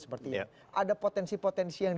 seperti ini ada potensi potensi yang